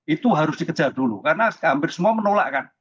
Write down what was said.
itu harus dikejar dulu karena hampir semua menolak kan